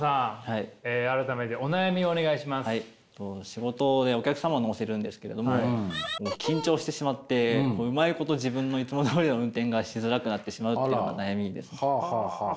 仕事でお客様を乗せるんですけれども緊張してしまってうまいこと自分のいつもどおりの運転がしづらくなってしまうっていうのが悩みです。